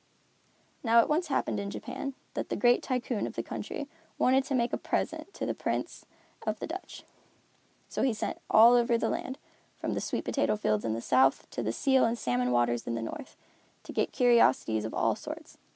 Now it once happened in Japan that the great Tycoon of the country wanted to make a present to the Prince of the Dutch. So he sent all over the land, from the sweet potato fields in the south to the seal and salmon waters in the north, to get curiosities of all sorts.